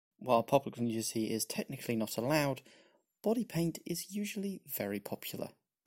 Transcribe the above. While public nudity is technically not allowed, body paint is usually very popular.